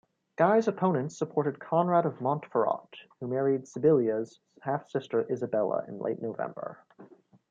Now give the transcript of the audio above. Guy's opponents supported Conrad of Montferrat who married Sybilla's half-sister, Isabella in late November.